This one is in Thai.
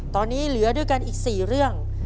ตอนนี้เหลือด้วยกันอีก๔เรื่อง